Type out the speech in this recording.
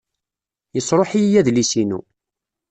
Yesṛuḥ-iyi adlis-inu.